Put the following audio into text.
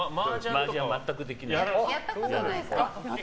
マージャン全くできない。